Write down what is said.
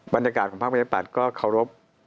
บรรยากาศของภาคประชาปัตย์ก็เคารพ